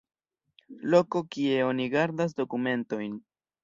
Loko kie oni gardas dokumentojn.